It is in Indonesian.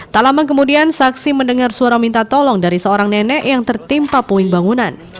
tak lama kemudian saksi mendengar suara minta tolong dari seorang nenek yang tertimpa puing bangunan